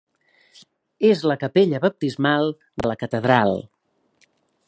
És la Capella Baptismal de la Catedral.